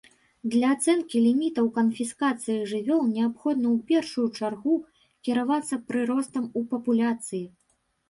Для ацэнкі лімітаў канфіскацыі жывёл неабходна ў першую чаргу кіравацца прыростам у папуляцыі.